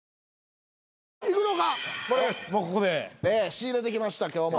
仕入れてきました今日も。